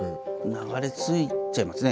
流れ着いちゃいますね